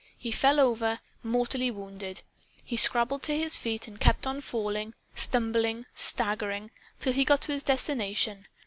He fell over, mortally wounded. He scrambled to his feet and kept on falling, stumbling, staggering till he got to his destination.